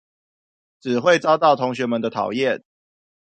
只會遭到同學們的討厭